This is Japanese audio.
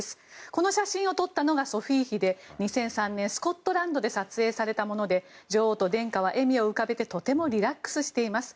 この写真を撮ったのがソフィー妃で２００３年スコットランドで撮影されたもので女王と殿下は笑みを浮かべてとてもリラックスしています。